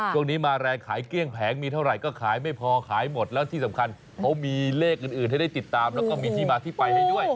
ช่วงนี้มาแรงขายเกลี้ยงแผงมีเท่าไหร่ก็ขายไม่พอขายหมดแล้วที่สำคัญเขามีเลขอื่นให้ได้ติดตามแล้วก็มีที่มาที่ไปให้ด้วย